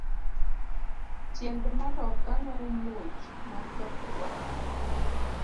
Tiend matoka no muoch matek wa.